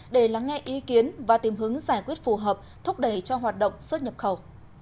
để lắng nghe ý kiến và tìm hướng giải quyết phù hợp thúc đẩy cho hoạt động xuất nhập khẩu